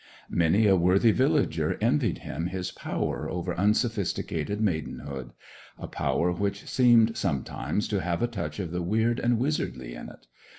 Many a worthy villager envied him his power over unsophisticated maidenhood—a power which seemed sometimes to have a touch of the weird and wizardly in it.